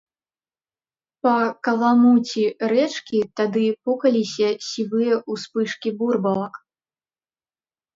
Па каламуці рэчкі тады пукаліся сівыя ўспышкі бурбалак.